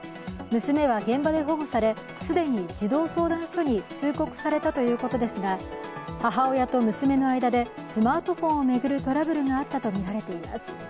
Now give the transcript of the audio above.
娘は現場で保護され既に児童相談所に通告されたということですが母親と娘の間でスマートフォンを巡るトラブルがあったとみられています。